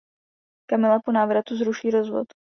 Kamila po návratu zruší rozvod.